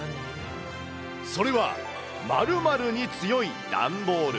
それは○○に強い段ボール。